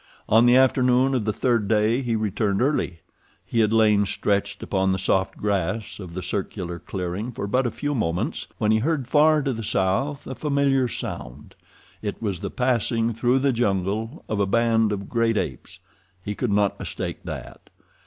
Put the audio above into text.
On the afternoon of the third day he returned early. He had lain stretched upon the soft grass of the circular clearing for but a few moments when he heard far to the south a familiar sound. It was the passing through the jungle of a band of great apes—he could not mistake that.